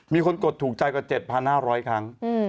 มีคนกดถูกใจกว่า๗๕มีคนกดพาห้าน้าร้อยครั้ง